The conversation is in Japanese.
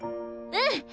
うん！